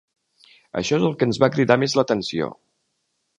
Això és el que ens va cridar més l'atenció.